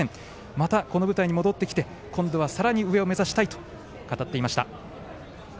また、この舞台に戻ってきて今度はさらに上を目指したいと語っていました。